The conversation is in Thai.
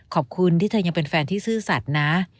ขอบคุณที่เธอยังเป็นแฟนที่ซื่อสัตว์นะ